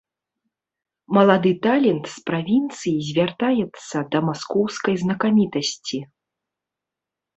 Малады талент з правінцыі звяртаецца да маскоўскай знакамітасці.